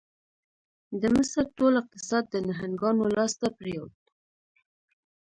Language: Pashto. د مصر ټول اقتصاد د نهنګانو لاس ته پرېوت.